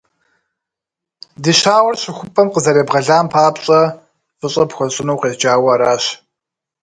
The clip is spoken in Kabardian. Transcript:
Ди щауэр щыхупӀэм къызэребгъэлам папщӀэ фӀыщӀэ пхуэсщӀыну укъезджауэ аращ.